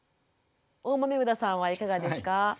大豆生田さんはいかがですか？